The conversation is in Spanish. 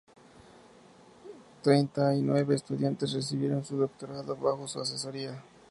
Treinta y nueve estudiantes recibieron su Doctorado bajo su asesoría.